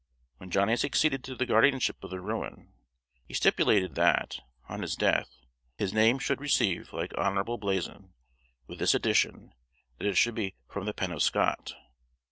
When Johnny succeeded to the guardianship of the ruin, he stipulated that, on his death, his name should receive like honorable blazon; with this addition, that it should be from, the pen of Scott.